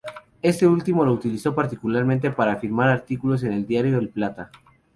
Este último lo utilizó particularmente para firmar artículos en el diario El Plata.